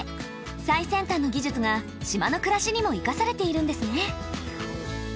最先端の技術が島の暮らしにも生かされているんですね。